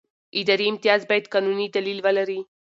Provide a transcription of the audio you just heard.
اداري امتیاز باید قانوني دلیل ولري.